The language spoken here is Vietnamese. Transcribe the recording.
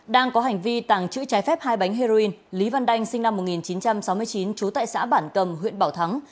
đang có hành vi tàng trữ trái phép hai bánh heroin lý văn đanh sinh năm một nghìn chín trăm sáu mươi chín trú tại xã bản cầm huyện bảo thắng